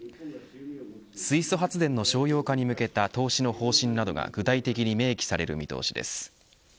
水素発電の商用化に向けた投資の方針などが具体的に明記される見通しです。